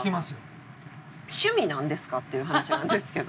趣味なんですか？っていう話なんですけど。